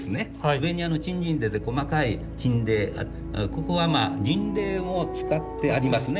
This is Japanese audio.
上に金銀泥で細かい金泥ここは銀泥を使ってありますね。